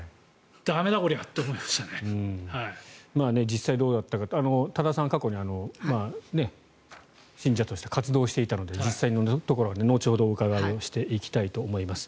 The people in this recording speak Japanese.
実際どうだったか多田さん、過去に信者として活動をしていたので実際のところは後ほどお伺いしていきたいと思います。